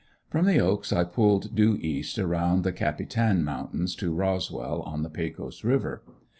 From the "Oaks" I pulled due east, around the "Capitan" mountains to Roswell on the Pecos River.